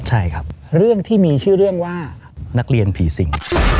ใช่ครับเรื่องที่มีชื่อเรื่องว่านักเรียนผีสิง